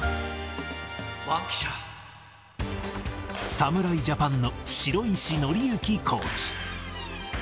侍ジャパンの城石憲之コーチ。